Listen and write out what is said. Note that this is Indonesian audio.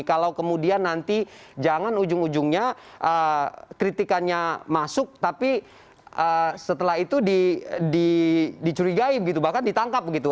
kalau kemudian nanti jangan ujung ujungnya kritikannya masuk tapi setelah itu dicurigai begitu bahkan ditangkap gitu